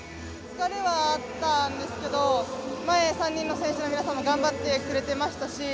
疲れはあったんですけど前、３人の選手の皆さんも頑張ってくれてましたし